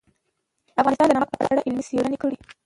افغانستان د نمک په اړه علمي څېړنې لري.